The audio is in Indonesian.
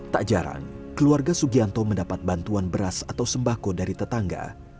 tak jarang keluarga sugianto mendapat bantuan beras atau sembako dari tetangga